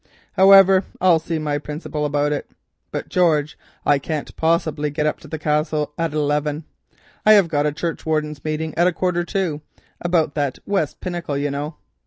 However, I'll see my principal about it. But, George, I can't possibly get up to the Castle at eleven. I have got a churchwardens' meeting at a quarter to, about that west pinnacle, you know.